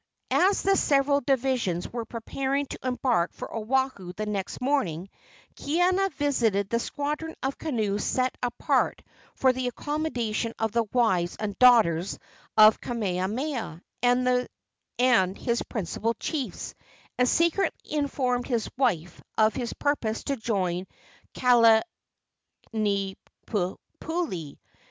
As the several divisions were preparing to embark for Oahu the next morning, Kaiana visited the squadron of canoes set apart for the accommodation of the wives and daughters of Kamehameha and his principal chiefs, and secretly informed his wife of his purpose to join Kalanikupule.